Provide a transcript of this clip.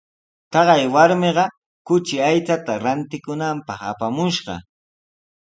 Taqay warmiqa kuchi aychata rantikunanpaq apamushqa.